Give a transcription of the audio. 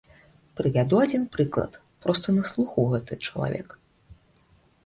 Прывяду адзін прыклад, проста на слыху гэты чалавек.